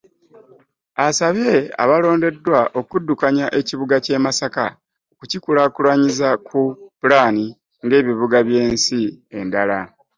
Asabye abaalondeddwa okuddukanya ekibuga eky’e Masaka okukikulaakulanyiza ku pulaani ng’ebibuga by’ensi endala